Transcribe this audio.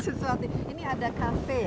ini ada cafe ya namanya marcel